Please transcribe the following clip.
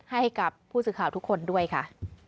ให้กับผู้สื่อข่าวทุกคนด้วยค่ะ